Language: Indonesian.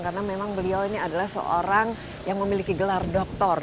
karena memang beliau ini adalah seorang yang memiliki gelar doktor